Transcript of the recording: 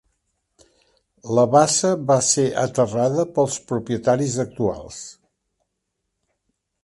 La bassa va ser aterrada pels propietaris actuals.